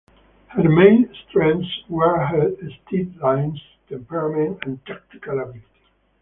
Her main strengths were her steadiness, temperament and tactical ability.